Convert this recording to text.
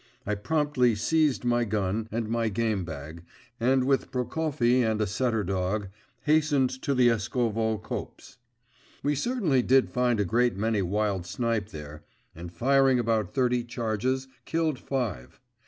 I promptly seized my gun and my game bag, and with Prokofy and a setter dog, hastened to the Eskovo copse. We certainly did find a great many wild snipe there, and, firing about thirty charges, killed five.